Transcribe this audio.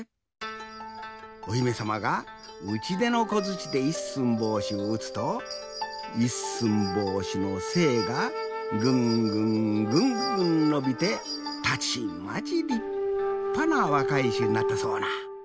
おひめさまがうちでのこづちで一寸法師をうつと一寸法師のせぇがぐんぐんぐんぐんのびてたちまちりっぱなわかいしゅになったそうな。